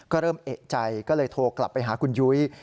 ก็เริ่มเอกใจก็เลยโทรกลับไปหาคุณยุ้ย